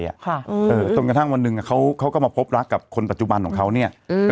ค่ะเออจนกระทั่งวันหนึ่งอ่ะเขาเขาก็มาพบรักกับคนปัจจุบันของเขาเนี้ยอืม